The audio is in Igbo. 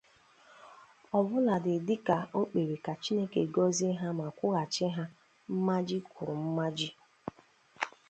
ọbụladị dịka o kpere ka Chineke gọzie ma kwụghachi ha mmaji kwuru mmaji.